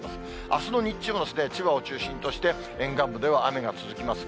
あすの日中も千葉を中心として、沿岸部では雨が続きます。